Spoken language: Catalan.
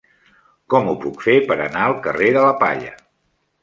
Com ho puc fer per anar al carrer de la Palla?